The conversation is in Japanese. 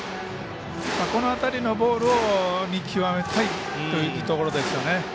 この辺りのボールを見極めたいところですね。